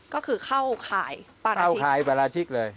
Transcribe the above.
ก็คือเข้าข่ายเข้าข่ายปราชิกเลย